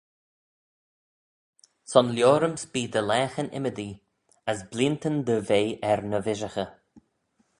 Son liorym's bee dty laghyn ymmodee, as bleeantyn dty vea er ny vishaghey.